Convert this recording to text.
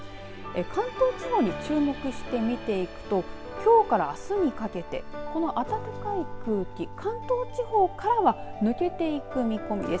関東地方に注目して見ていくときょうからあすにかけてこの暖かい空気関東地方からは抜けていく見込みです。